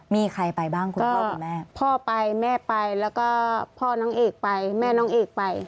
มีใครไปบ้างคุณพ่อคุณแม่พ่อไปแม่ไปแล้วก็พ่อน้องเอกไปแม่น้องเอกไป